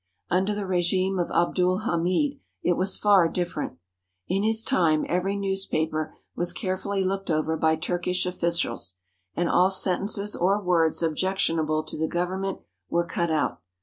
Under the regime of Abdul Hamid it was far different. In his time every newspaper was carefully looked over by Turkish officials, and all sentences or words objectionable to the Government were cut out.